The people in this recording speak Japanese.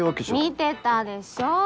見てたでしょ？